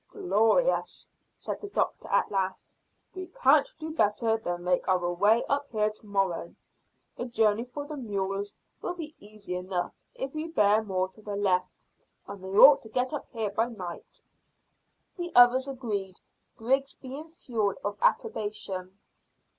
"Glorious!" said the doctor at last. "We can't do better than make our way up here to morrow. The journey for the mules will be easy enough if we bear more to the left, and they ought to get up here by night." The others agreed, Griggs being full of approbation.